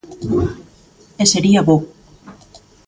E sería bo.